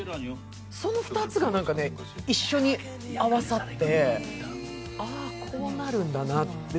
その２つが一緒に合わさってああ、こうなるんだなって。